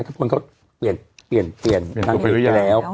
ทุกคนเขาเปลี่ยนไปแล้ว